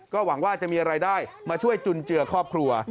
หวังว่าจะมีรายได้มาช่วยจุนเจือครอบครัว